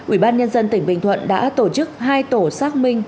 ubnd tp bình thuận đã tổ chức hai tổ xác minh